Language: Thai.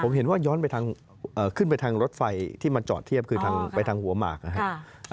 ผมเห็นว่าย้อนไปทางขึ้นไปทางรถไฟที่มันจอดเทียบคือทางไปทางหัวหมากนะครับ